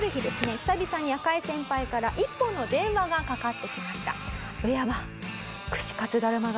久々に赤井先輩から一本の電話がかかってきました。